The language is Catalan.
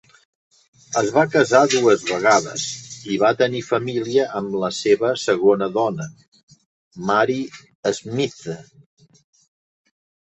Es va casar dues vegades, i va tenir família amb la seva segona dona, Mary Smythe.